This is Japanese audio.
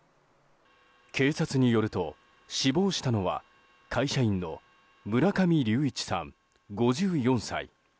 警察によると、死亡したのは会社員の村上隆一さん、５４歳。